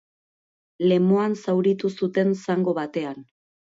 Lemoan zauritu zuten zango batean.